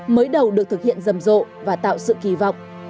mới đầu được thực hiện rầm rộ và tạo sự kỳ vọng